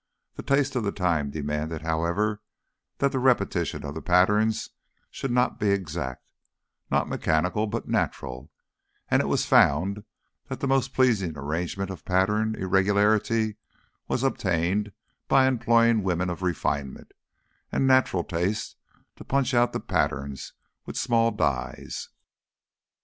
The taste of the time demanded, however, that the repetition of the patterns should not be exact not mechanical, but "natural" and it was found that the most pleasing arrangement of pattern irregularity was obtained by employing women of refinement and natural taste to punch out the patterns with small dies.